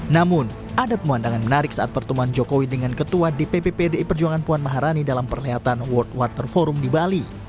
namun ada pemandangan menarik saat pertemuan jokowi dengan ketua dpp pdi perjuangan puan maharani dalam perlihattan world water forum di bali